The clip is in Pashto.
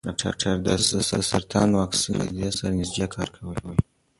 ډاکټر ډسیس د سرطان واکسین اتحادیې سره نژدې کار کوي.